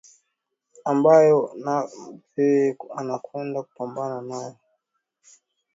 ambayo Nape anakwenda kupambana nayo ni kudorora kwa michezo hapa Tanzania Hii ni nchi